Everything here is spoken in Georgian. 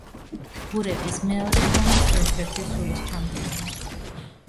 ბურების მეორე ომის ერთ-ერთი სულისჩამდგმელი.